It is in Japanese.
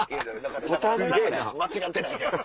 間違ってないやろ？